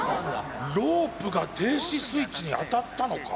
ロープが停止スイッチに当たったのか？